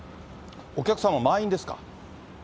お客さんも満員ですか？